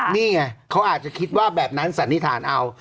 นี่ไงเขาอาจจะคิดว่าแบบนั้นสันนิษฐานเอา